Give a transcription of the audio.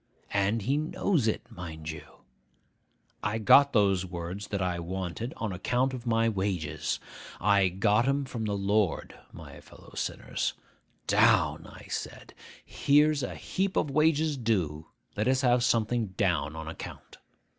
And he knows it, mind you! I got those words that I wanted on account of my wages. I got 'em from the Lord, my fellow sinners. Down! I said, "Here's a heap of wages due; let us have something down, on account."